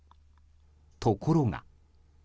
ところが。